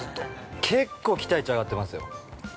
◆結構期待値上がってますよ。